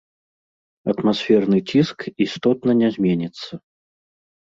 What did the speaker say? Атмасферны ціск істотна не зменіцца.